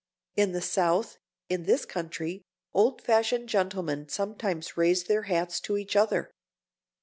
In the South, in this country, old fashioned gentlemen sometimes raise their hats to each other.